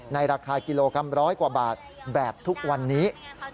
ราคากิโลกรัมร้อยกว่าบาทแบบทุกวันนี้